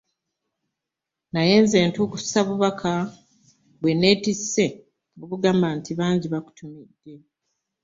Naye nze ntuusa bubaka bwe nneetisse obugamba nti bangi bakutumidde.